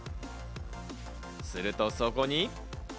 するとそこに。